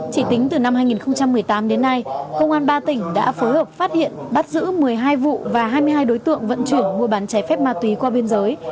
chỉ tính từ năm hai nghìn một mươi tám đến nay công an ba tỉnh đã phối hợp phát hiện bắt giữ một mươi hai vụ và hai mươi hai đối tượng vận chuyển mua bán trái phép ma túy qua biên giới